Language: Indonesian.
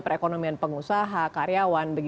perekonomian pengusaha karyawan